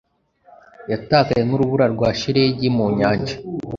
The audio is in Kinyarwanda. yatakaye nk'urubura rwa shelegi mu nyanja